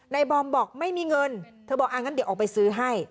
บอมบอกไม่มีเงินเธอบอกอ่างั้นเดี๋ยวออกไปซื้อให้